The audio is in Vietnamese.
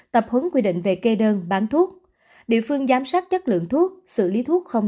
tập hấn quy định về kê đơn bán thuốc địa phương giám sát chất lượng thuốc xử lý thuốc không